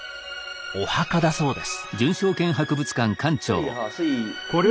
お墓だそうです。